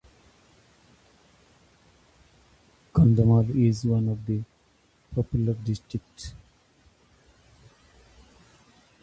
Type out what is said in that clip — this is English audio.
It was also a station on the Pere Marquette Railroad.